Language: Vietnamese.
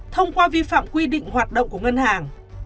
thông qua vi phạm quy định hoạt động của ngân hàng